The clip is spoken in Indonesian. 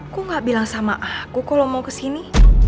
kok gak bilang sama aku kalau mau kesini